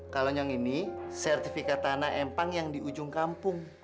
kalau yang ini sertifikat tanah empang yang di ujung kampung